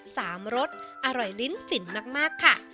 สามรสอร่อยลิ้นฝิ่นมากค่ะ